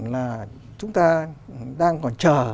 là chúng ta đang còn chờ